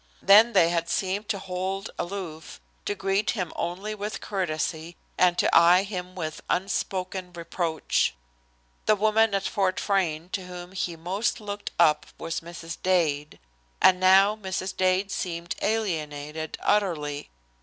Then they had seemed to hold aloof, to greet him only with courtesy, and to eye him with unspoken reproach. The woman at Fort Frayne to whom he most looked up was Mrs. Dade, and now Mrs. Dade seemed alienated utterly.